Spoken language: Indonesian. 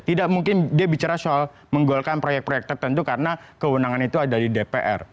tidak mungkin dia bicara soal menggolkan proyek proyek tertentu karena kewenangan itu ada di dpr